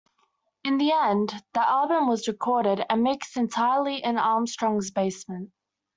In the end, the album was recorded and mixed entirely in Armstrong's basement.